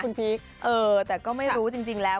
คุณพีคเออแต่ก็ไม่รู้จริงแล้ว